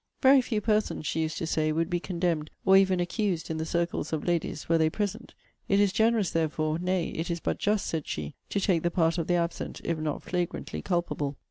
Very few persons, she used to say, would be condemned, or even accused, in the circles of ladies, were they present; it is generous, therefore, nay, it is but just, said she, to take the part of the absent, if not flagrantly culpable.